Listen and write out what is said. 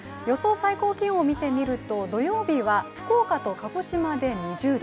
最高気温を見てみると、土曜日は福岡と鹿児島で２０度。